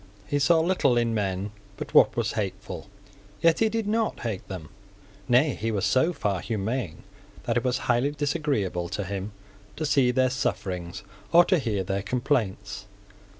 He saw little in men but what was hateful. Yet he did not hate them. Nay, he was so far humane that it was highly disagreeable to him to see their sufferings or to hear their complaints.